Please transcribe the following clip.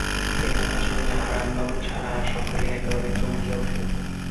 এ কথা শুনিয়া হারানবাবু ছাড়া আর-সকলেই একেবারে চমকিয়া উঠিল।